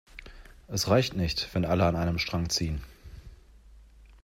Es reicht nicht, wenn alle an einem Strang ziehen.